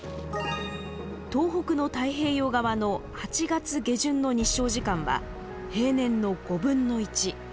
東北の太平洋側の８月下旬の日照時間は平年の５分の１。